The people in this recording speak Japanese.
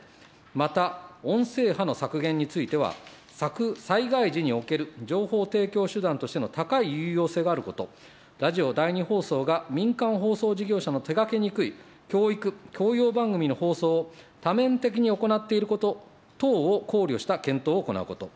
また、音声波の削減については、災害時における情報提供手段としての高い有用性があること、ラジオ第２放送が民間放送事業者の手がけにくい教育、教養番組の放送を多面的に行っていること等を考慮した検討を行うこと。